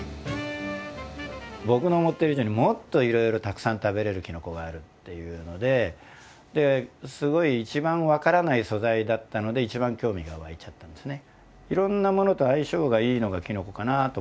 僕の思ってる以上にもっといろいろたくさん食べれるきのこがあるっていうのですごい一番分からない素材だったので一番興味が湧いちゃったんですね。